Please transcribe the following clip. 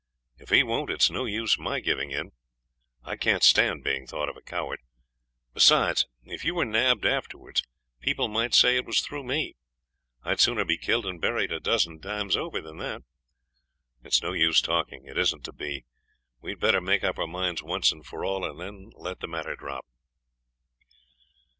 'If he won't it's no use my giving in. I can't stand being thought a coward. Besides, if you were nabbed afterwards people might say it was through me. I'd sooner be killed and buried a dozen times over than that. It's no use talking it isn't to be we had better make up our minds once for all, and then let the matter drop.'